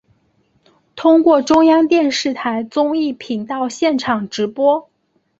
通过中央电视台综艺频道现场直播。